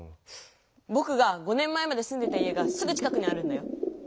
ぼくが５年前まですんでた家がすぐ近くにあるんだよ。